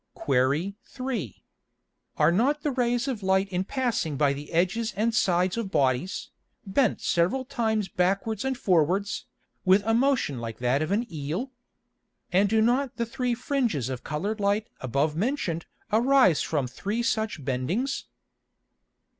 Qu. 3. Are not the Rays of Light in passing by the edges and sides of Bodies, bent several times backwards and forwards, with a motion like that of an Eel? And do not the three Fringes of colour'd Light above mention'd arise from three such bendings?